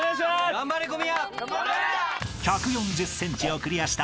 ・頑張れ小宮。